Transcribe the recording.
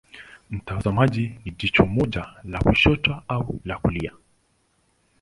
Mtazamaji ni jicho moja la kushoto au la kulia.